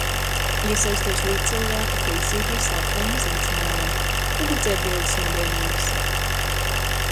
Iesaistos līdzcilvēku feisītī sāktajam izaicinājumam – publicēt bildes no bērnības.